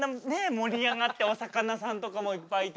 盛り上がってお魚さんとかもいっぱいいて。